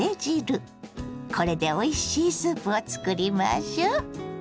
これでおいしいスープを作りましょ。